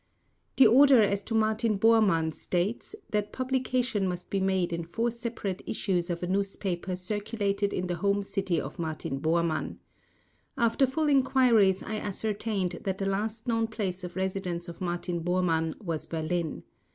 The order as to Martin Bormann states that publication must be made in four separate issues of a newspaper circulated in the home city of Martin Bormann. After full enquiries I ascertained that the last known place of residence of Martin Bormann was Berlin.